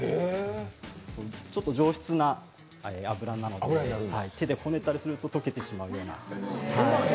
上質な脂なので手でこねたりすると溶けてしまうような。